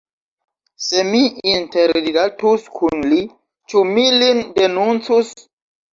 Se mi interrilatus kun li, ĉu mi lin denuncus?